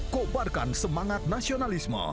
koparkan semangat nasionalisme